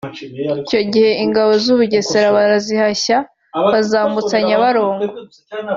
Icyo gihe ingabo z’u Bugesera barazihashya bazambutsa Nyabarongo